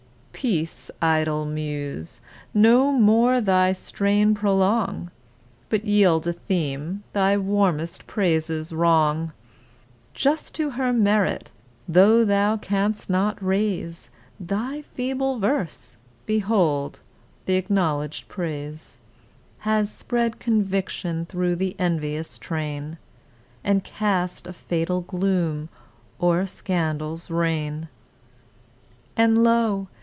Peace, idle Muse! no more thy strain prolong, But yield a theme, thy warmest praises wrong; Just to her merit, though thou canst not raise Thy feeble verse, behold th' acknowledged praise Has spread conviction through the envious train, And cast a fatal gloom o'er Scandal's reign! And lo!